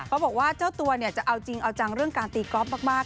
บอกว่าเจ้าตัวเนี่ยจะเอาจริงเอาจังเรื่องการตีกอล์ฟมาก